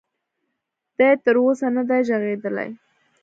دې تر اوسه ندی ږغېدلی.